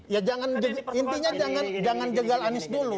ya intinya jangan jegal anies dulu